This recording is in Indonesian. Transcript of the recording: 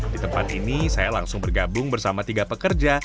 di tempat ini saya langsung bergabung bersama tiga pekerja